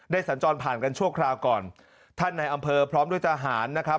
สัญจรผ่านกันชั่วคราวก่อนท่านในอำเภอพร้อมด้วยทหารนะครับ